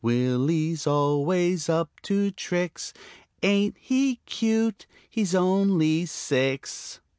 Willie's always up to tricks. Ain't he cute, he's only six!"